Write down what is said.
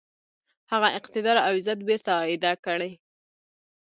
هغه اقتدار او عزت بیرته اعاده کړي.